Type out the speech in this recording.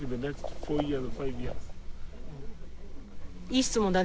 いい質問だね